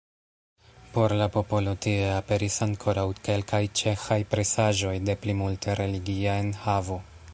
Por la popolo tie aperis ankoraŭ kelkaj ĉeĥaj presaĵoj de plimulte religia enhavo.